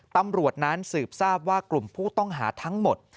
ตำรวจนั้นสืบทราบว่ากลุ่มผู้ต้องหาทั้งหมด